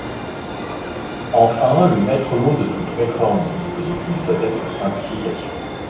Enfin, le maître-mot de toute réforme du dispositif doit être « simplification ».